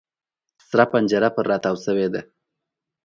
سره پنجره پر را تاو شوې ده.